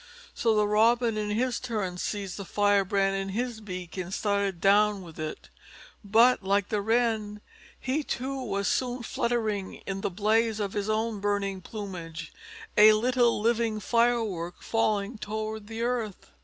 So the Robin in his turn seized the firebrand in his beak and started down with it. But, like the Wren, he too was soon fluttering in the blaze of his own burning plumage, a little living firework, falling toward the earth.